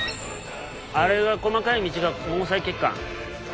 あれが細かい道が毛細血管。